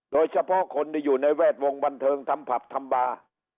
โดยเฉพาะคนที่อยู่ในแวดวงบันเทิงทำผับทำบาร์